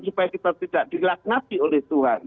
supaya kita tidak dilaknati oleh tuhan